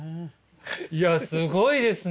いやすごいですね！